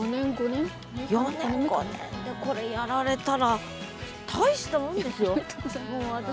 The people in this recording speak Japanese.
４年５年でこれやられたら大したもんですよ！